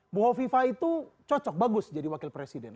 bu hovifah itu cocok bagus jadi wakil presiden